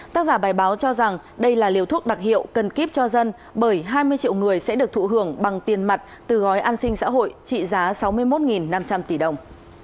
tác giả bài báo cho rằng đây là liều thuốc đặc hiệu cần kiếp cho dân bởi hai mươi triệu người sẽ được thụ hưởng bằng tiền mặt từ gói an sinh xã hội trị giá sáu mươi một năm trăm linh tỷ đồng